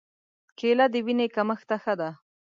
کېله د وینې کمښت ته ښه ده.